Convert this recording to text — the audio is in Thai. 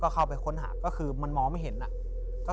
เข้าไปค้นหาก็คือมันมองไม่เห็นอะ